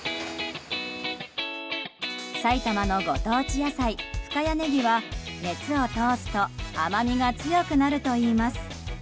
埼玉のご当地野菜、深谷ねぎは熱を通すと甘みが強くなるといいます。